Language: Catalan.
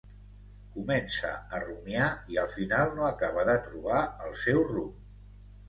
Comença a rumiar i al final no acaba de trobar el seu rumb.